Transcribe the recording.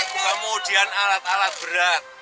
kemudian alat alat berat